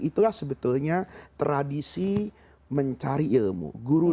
itulah sebetulnya tradisi mencari ilmu